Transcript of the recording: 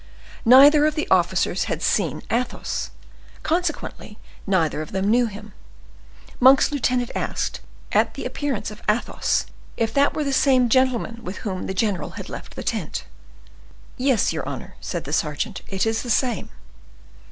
Neither of the officers had seen Athos, consequently neither of them knew him. Monk's lieutenant asked, at the appearance of Athos, if that were the same gentleman with whom the general had left the tent. "Yes, your honor," said the sergeant; "it is the same."